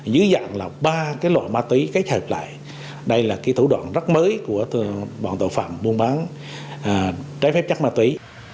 dưới dạng là ba loại ma túy kết hợp lại đây là thủ đoạn rất mới của bọn tội phạm buôn bán trái phép chất ma túy